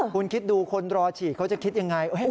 คุณคิดดูคนรอฉีดเขาจะคิดยังไง